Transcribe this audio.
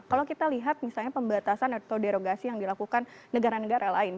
kalau kita lihat misalnya pembatasan atau derogasi yang dilakukan negara negara lain